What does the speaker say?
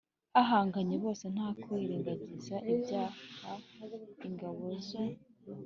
bahanganye bose, nta kwirengagiza ibyaha ingabo za